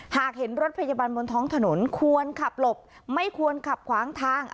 หากเห็นรถพยาบาลบนท้องถนนควรขับหลบไม่ควรขับขวางทาง